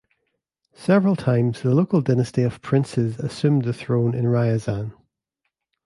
Several times the local dynasty of princes assumed the throne in Ryazan.